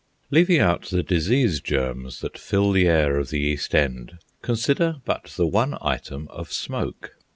Leaving out the disease germs that fill the air of the East End, consider but the one item of smoke.